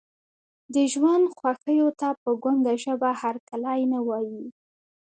د ژوند خوښیو ته په ګونګه ژبه هرکلی نه وایي.